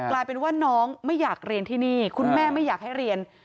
กลายเป็นว่าน้องไม่อยากเรียนที่นี่คุณแม่ไม่อยากให้เรียน